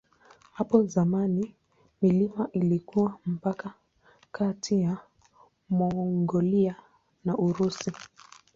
Hapo zamani milima ilikuwa mpaka kati ya Mongolia na Urusi.